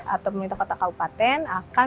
atau pemerintah kota kabupaten akan